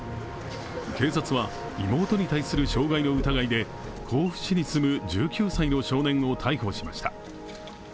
警察は妹に対する傷害の疑いで、甲府市に住む１９歳の少年を逮捕しました。